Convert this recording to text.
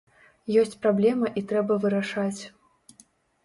Ёсць праблема і трэба вырашаць.